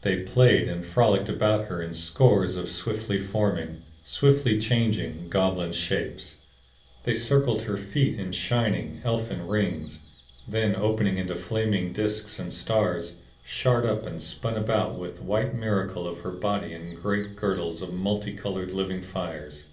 They played and frolicked about her in scores of swiftly forming, swiftly changing, goblin shapes. They circled her feet in shining, elfin rings; then opening into flaming disks and stars, shot up and spun about the white miracle of her body in great girdles of multi colored living fires.